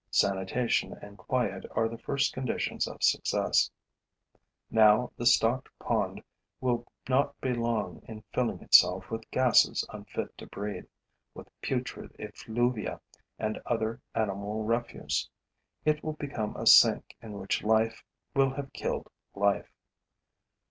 Sanitation and quiet are the first conditions of success. Now the stocked pond will not be long in filling itself with gases unfit to breathe, with putrid effluvia and other animal refuse; it will become a sink in which life will have killed life.